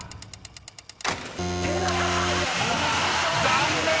［残念！］